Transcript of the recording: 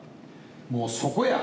もうそこや！